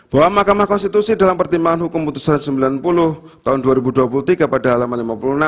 bahwa mahkamah konstitusi dalam pertimbangan hukum putusan sembilan puluh tahun dua ribu dua puluh tiga pada halaman lima puluh enam